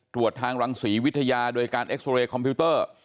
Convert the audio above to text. ตรวจทางรังศรีวิทยาโดยการเอ็กซอเรย์คอมพิวเตอร์